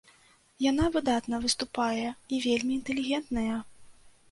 Яна выдатна выступае і вельмі інтэлігентная!